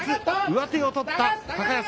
上手を取った高安。